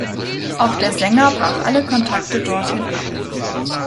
Auch der Sänger brach alle Kontakte dorthin ab.